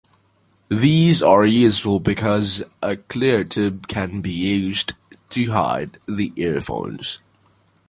These are useful because a clear tube can be used to hide the earphones.